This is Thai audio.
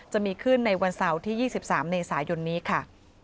จะมีขึ้นในวันเสาร์ที่๒๓เมษายนนี้ค่ะ